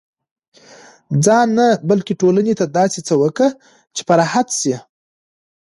ځان نه، بلکي ټولني ته داسي څه وکه، چي په راحت سي.